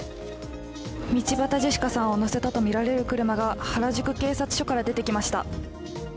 道端ジェシカさんを乗せたとみられる車が原宿警察署から出てきました。